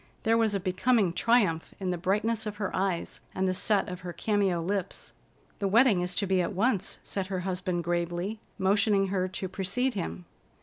There was a becoming triumph in the brightness of her eyes and the set of her cameo lips. "The wedding is to be at once," said her husband gravely, motioning her to precede him.